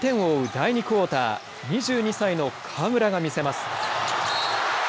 第２クオーター２２歳の河村が見せます。